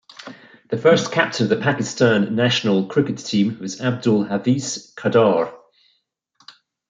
The first captain of the Pakistan national cricket team was Abdul Hafeez Kardar.